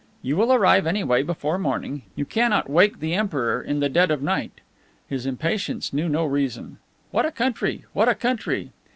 "You will arrive anyway before morning. You cannot wake the Emperor in the dead of night." His impatience knew no reason. "What a country! What a country!"